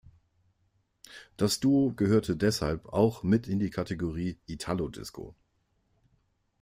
Das Duo gehörte deshalb auch mit in die Kategorie Italo Disco.